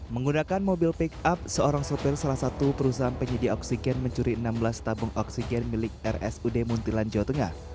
menggunakan mobil pick up seorang sopir salah satu perusahaan penyedia oksigen mencuri enam belas tabung oksigen milik rsud muntilan jawa tengah